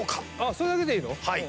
それだけでいいの⁉